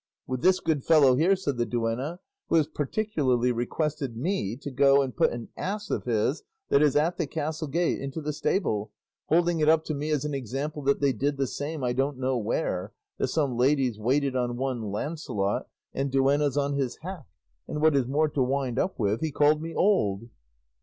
"With this good fellow here," said the duenna, "who has particularly requested me to go and put an ass of his that is at the castle gate into the stable, holding it up to me as an example that they did the same I don't know where that some ladies waited on one Lancelot, and duennas on his hack; and what is more, to wind up with, he called me old."